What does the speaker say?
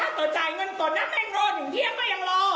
แต่ถ้าต่อจ่ายเงินต่อนั้นน่ะแม่งรอถึงเที่ยงก็ยังรอ